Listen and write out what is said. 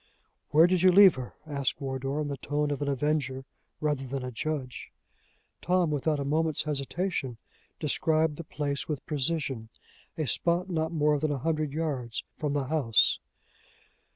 "Where did you leave her?" asked Wardour, in the tone of an avenger rather than a judge. Tom, without a moment's hesitation, described the place with precision a spot not more than a hundred yards from the house.